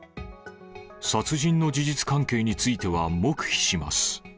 殺人の事実関係については黙